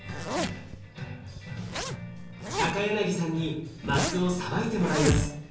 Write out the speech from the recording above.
高柳さんにマスをさばいてもらいます。